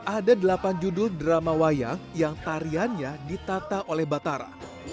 ada delapan judul drama wayang yang tariannya ditata oleh batara